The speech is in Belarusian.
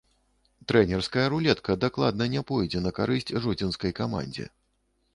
Трэнерская рулетка дакладна не пойдзе на карысць жодзінскай камандзе.